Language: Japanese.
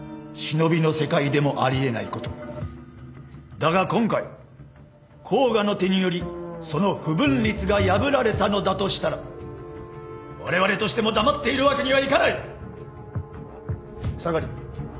だが今回甲賀の手によりその不文律が破られたのだとしたらわれわれとしても黙っているわけにはいかない！草刈。